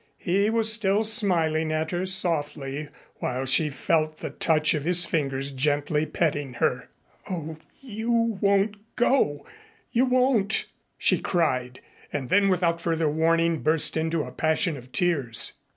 He was still smiling at her softly while she felt the touch of his fingers gently petting her. "Oh you won't go you won't!" she cried, and then without further warning burst into a passion of tears.